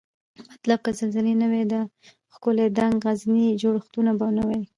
مطلب که زلزلې نه وای دا ښکلي دنګ غرني جوړښتونه به نوای